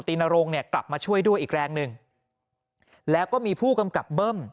นรงเนี่ยกลับมาช่วยด้วยอีกแรงหนึ่งแล้วก็มีผู้กำกับเบิ้ม